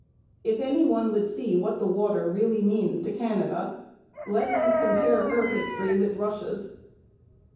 If any one would see what the water really means to Canada, let him compare her history with Russia's.